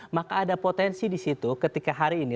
maka ada potensi di situ ketika hari ini